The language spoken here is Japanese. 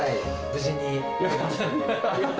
無事に。